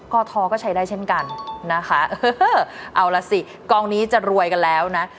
ก็ทอก็ใช้ได้เช่นกันนะคะเออเอาล่ะสิกองนี้จะรวยกันแล้วนะ